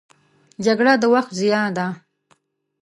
جګړه د وخت ضیاع ده